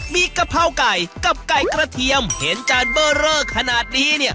มีกะเพราไก่กับไก่กระเทียมเห็นจานเบอร์เรอขนาดนี้